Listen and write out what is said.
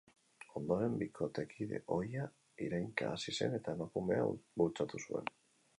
Ondoren, bikotekide ohia irainka hasi zen eta emakumea bultzatu zuen.